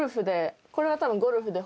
これは多分ゴルフで。